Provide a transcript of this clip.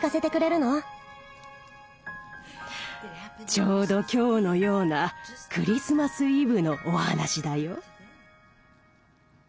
ちょうど今日のようなクリスマス・イブのお話だよ。